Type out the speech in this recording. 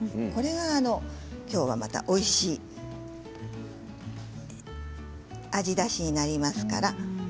これがまたおいしい味だしになりますから。